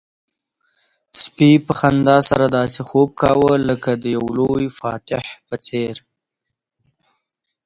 سپي په خندا سره داسې خوب کاوه لکه د یو لوی فاتح په څېر.